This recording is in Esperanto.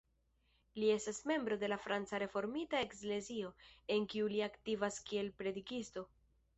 Li estas membro de la Franca Reformita Eklezio, en kiu li aktivas kiel predikisto.